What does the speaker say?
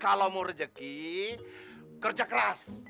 kalau mau rejeki kerja keras